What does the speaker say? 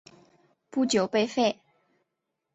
不久被废。